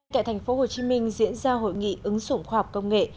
tại thành phố hồ chí minh diễn ra hội nghị ứng dụng khoa học công nghệ